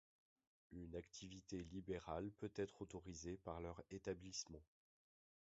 Une activité libérale peut être autorisée par leur établissement.